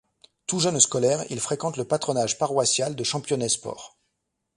Tout jeune scolaire il fréquente le patronage paroissial de Championnet-sport.